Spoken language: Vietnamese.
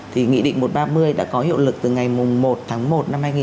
thì nghị định một trăm ba mươi đã có hiệu lực từ ngày một tháng một